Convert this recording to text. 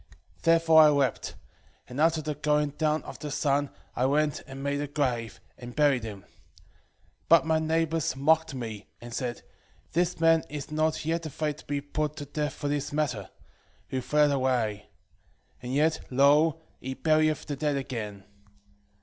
2:7 Therefore I wept: and after the going down of the sun I went and made a grave, and buried him. 2:8 But my neighbours mocked me, and said, This man is not yet afraid to be put to death for this matter: who fled away; and yet, lo, he burieth the dead again.